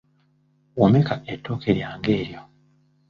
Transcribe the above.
Womeka ettooke lyange eryo.